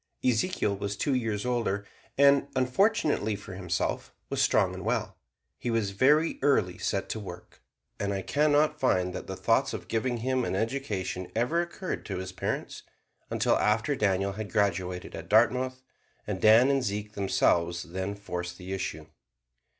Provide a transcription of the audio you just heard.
Ezekiel was two years older and, unfortunately for himself, was strong and well. He was very early set to work, and I can not find that the thought of giving him an education ever occurred to his parents, until after Daniel had graduated at Dartmouth, and Dan and Zeke themselves then forced the issue.